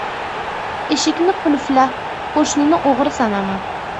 • Eshikni qulfla, qo‘shnini o‘g‘ri sanama.